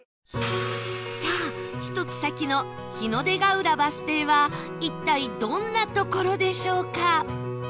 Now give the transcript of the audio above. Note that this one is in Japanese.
さあ１つ先の日の出が浦バス停は一体どんな所でしょうか？